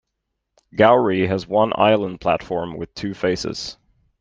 Gowrie has one island platform with two faces.